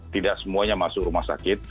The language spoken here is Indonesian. tidak semuanya masuk rumah sakit